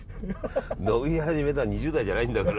飲み始めた２０代じゃないんだから。